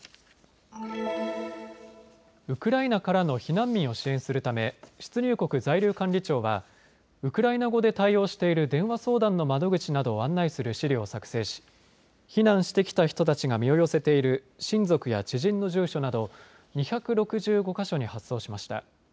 ウクライナからの避難民を支援するため出入国在留管理庁はウクライナ語で対応している電話相談の窓口などを案内する資料を作成し避難してきた人たちが身を寄せている親族や知人の住所など２６５か所に発送しました。